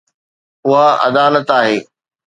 اها عدالت آهي